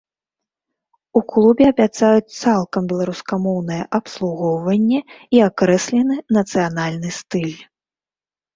У клубе абяцаюць цалкам беларускамоўнае абслугоўванне і акрэслены нацыянальны стыль.